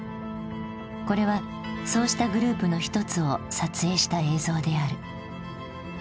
これはそうしたグループの一つを撮影した映像である。